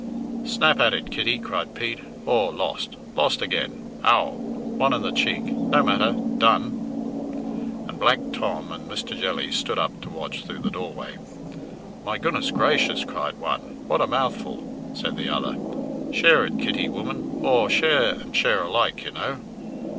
"Snap at it, Kitty!" cried Pete. "Aw, lost! Lost again! Ow! One in the cheek! No matter! Done!" And Black Tom and Mr. Jelly stood up to watch through the doorway. "My goodness grayshers!" cried one. "What a mouthful!" said the other. "Share it, Kitty, woman; aw, share and share alike, you know."